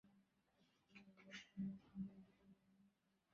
তোমরা অস্থি ও ভস্ম একত্র কর আমি প্রিয়াকে প্রাণদান দিব।